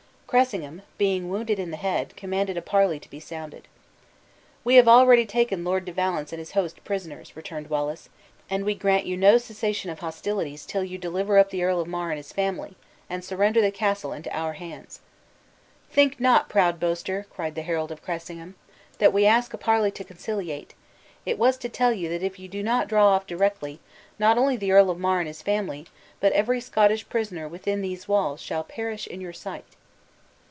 Cressingham, being wounded in the head, commanded a parley to be sounded. "We have already taken Lord de Valence and his host prisoners," returned Wallace; "and we grant you no cessation of hostilities till you deliver up the Earl of Mar and his family, and surrender the castle into our hands." "Think not, proud boaster!" cried the herald of Cressingham, "that we ask a parley to conciliate. It was to tell you that if you do not draw off directly, not only the Earl of Mar and his family, but every Scottish prisoner within these walls, shall perish in your sight."